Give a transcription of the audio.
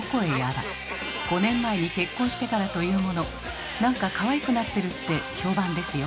５年前に結婚してからというものなんかかわいくなってるって評判ですよ。